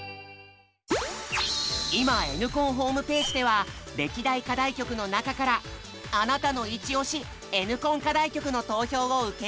今Ｎコンホームページでは歴代課題曲の中から「あなたのイチオシ！Ｎコン課題曲」の投票を受付中！